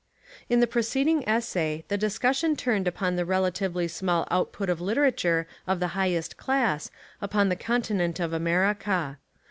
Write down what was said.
In the preceding essay the discussion turned upon the relatively small output of literature of the highest class upon the continent of Amer ica.